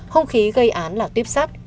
hông khí gây án là tuyếp sát